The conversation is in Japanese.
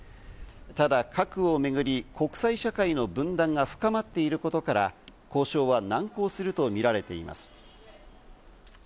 ただ核をめぐり国際社会の分断が深まっていることから交渉は難航するとみられています。